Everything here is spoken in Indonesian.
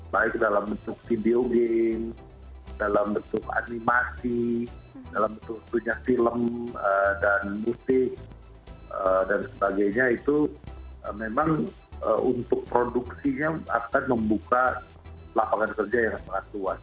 baik dalam bentuk video game dalam bentuk animasi dalam bentuk film dan musik dan sebagainya itu memang untuk produksinya akan membuka lapangan kerja yang sangat luas